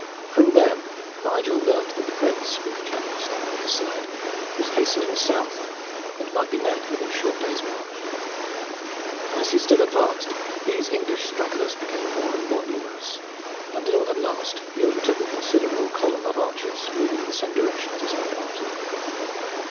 From them Nigel learned that the Prince, with Chandos ever at his side, was hastening south and might be met within a short day's march. As he still advanced these English stragglers became more and more numerous, until at last he overtook a considerable column of archers moving in the same direction as his own party.